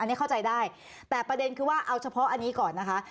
อันนี้เข้าใจได้แต่ประเด็นคือว่าเอาเฉพาะอันนี้ก่อนนะคะ